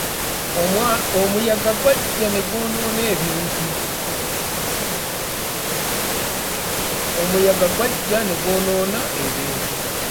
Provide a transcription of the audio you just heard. Omuyaga gwajja ne gwonoona ebintu.